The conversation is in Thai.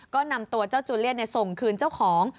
ก็นำตัวเจ้าจูเลียนส่งคืนเจ้าของ